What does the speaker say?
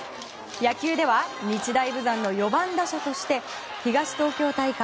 野球では日大豊山の４番打者として東東京大会